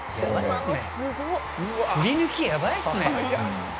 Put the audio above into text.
振り抜きやばいですね。